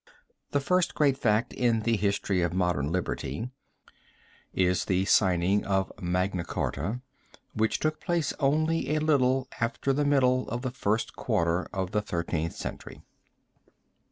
The first great fact in the history of modern liberty is the signing of Magna Charta which took place only a little after the middle of the first quarter of the Thirteenth Century.